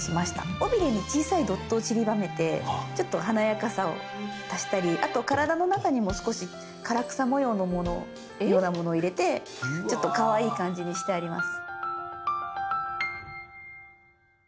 尾ビレに小さいドットをちりばめてちょっと華やかさを足したりあと体の中にも少し唐草模様のようなものを入れてちょっとかわいい感じにしてあります。